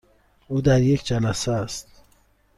او در یک جلسه است.